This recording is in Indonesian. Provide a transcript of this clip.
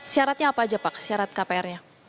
syaratnya apa saja pak syarat kpr nya